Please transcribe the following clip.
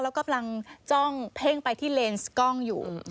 แล้วก็กำลังจ้องเพ่งไปที่เลนส์กล้องอยู่